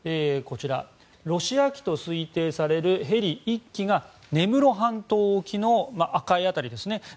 こちらロシア機と推定されるヘリ１機が根室半島沖の赤い辺りですね